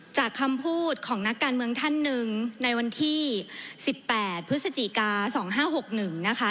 จากคำพูดของนักการเมืองท่านหนึ่งในวันที่สิบแปดพฤศจิกาสองห้าหกหนึ่งนะคะ